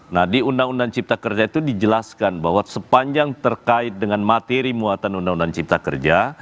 nah di undang undang cipta kerja itu dijelaskan bahwa sepanjang terkait dengan materi muatan undang undang cipta kerja